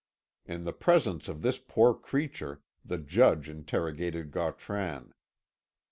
In the presence of this poor creature the judge interrogated Gautran.